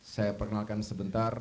saya perkenalkan sebentar